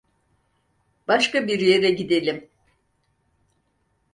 Başka bir yere gidelim.